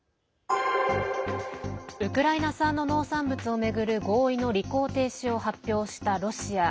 ウクライナ産の農産物を巡る合意の履行停止を発表したロシア。